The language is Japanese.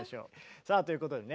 さあということでね